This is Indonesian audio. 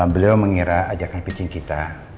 beliau mengira ajaknya pincin kita